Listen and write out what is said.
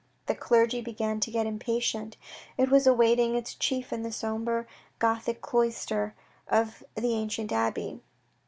The clergy began to get impatient. It was awaiting its chief in the sombre Gothic cloister of the ancient abbey.